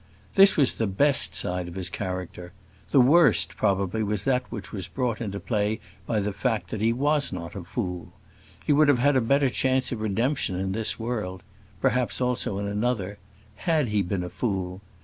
This was the best side of his character; the worst, probably, was that which was brought into play by the fact that he was not a fool. He would have a better chance of redemption in this world perhaps also in another had he been a fool.